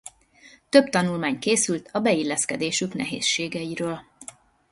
Több tanulmány készült a beilleszkedésük nehézségeiről